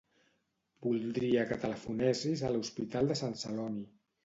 Voldria que telefonessis a l'Hospital de Sant Celoni.